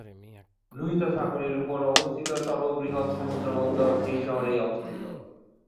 লোহিত সাগরের উপর অবস্থিত সর্ববৃহৎ সমুদ্রবন্দর এই শহরেই অবস্থিত।